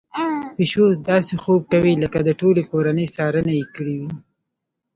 پيشو داسې خوب کوي لکه د ټولې کورنۍ څارنه يې کړې وي.